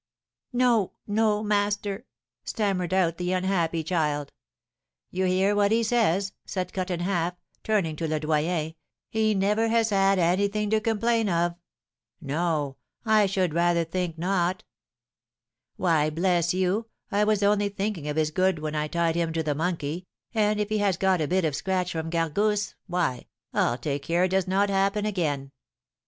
'No no master,' stammered out the unhappy child. 'You hear what he says?' said Cut in Half, turning to Le Doyen, 'he never has had anything to complain of. No; I should rather think not! Why, bless you, I was only thinking of his good when I tied him to the monkey, and if he has got a bit of a scratch from Gargousse, why, I'll take care it does not happen again.